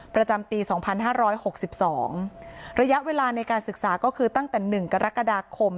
ประจำปีสองพันห้าร้อยหกสิบสองระยะเวลาในการศึกษาก็คือตั้งแต่หนึ่งกรกฎาคม